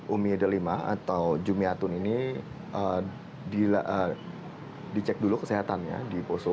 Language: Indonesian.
umi delima atau jumiatun ini dicek dulu kesehatannya di poso